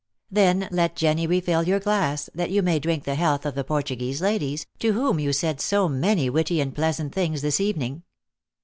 "Then let Jenny refill your glass, that you may drink the health of the Portuguese ladies, to whom you said so many witty and pleasant things this evening.